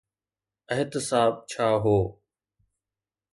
احتساب ڇا هو؟